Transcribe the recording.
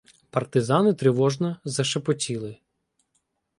Партизани тривожно зашепотіли.